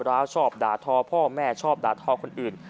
ร้าวชอบด่าทอพ่อแม่ชอบด่าทอคนอื่น